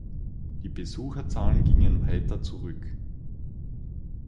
Die Besucherzahlen gingen weiter zurück.